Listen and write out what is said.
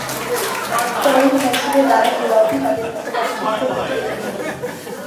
পরের মৌসুমে রায় ও রকি তাদের মতপার্থক্য মিটিয়ে ফেলেন।